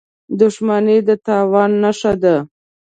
• دښمني د تاوان نښه ده.